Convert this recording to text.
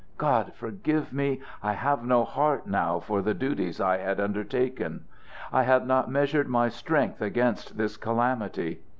God forgive me! I have no heart now for the duties I had undertaken. I had not measured my strength against this calamity.